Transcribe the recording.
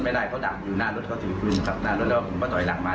เพื่อนได้สังเกตเห็นปืนหลายตระบอก